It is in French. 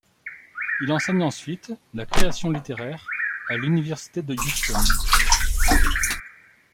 Il enseigne ensuite la création littéraire à l'Université de Houston.